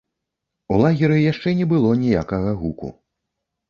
У лагеры яшчэ не было ніякага гуку.